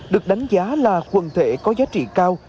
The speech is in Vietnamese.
được đánh giá là quần thể có giá trị cao